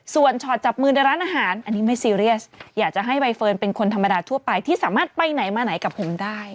ส่วนชอตจับมือในร้านอาหารอันนี้ไม่ซีเรียสอยากจะให้ใบเฟิร์นเป็นคนธรรมดาทั่วไปที่สามารถไปไหนมาไหนกับผมได้